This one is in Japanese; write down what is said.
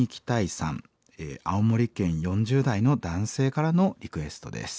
青森県４０代の男性からのリクエストです。